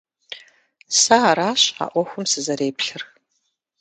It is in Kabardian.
Сэ аращ а Ӏуэхум сызэреплъыр.